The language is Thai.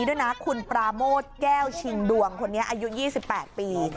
ด้วยนะคุณปราโมทแก้วชิงดวงคนนี้อายุ๒๘ปี